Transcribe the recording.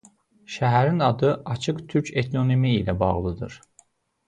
Şəhərin adı "Açıq" türk etnonimi ilə bağlıdır.